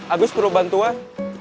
agus turut bantuan